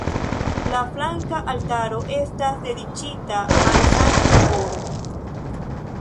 La flanka altaro estas dediĉita al Sankta Koro.